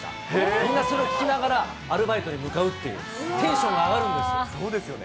みんなそれを聴きながら、アルバイトに向かうっていう、テンショそうですよね。